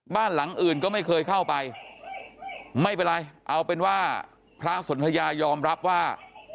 บ้านหลังอื่นก็ไม่เคยเข้าไปไม่เป็นไรเอาเป็นว่าพระสนทยายอมรับว่า